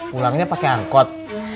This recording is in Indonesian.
pulangnya pake angkot